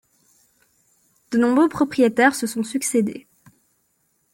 De nombreux propriétaires se sont succédé.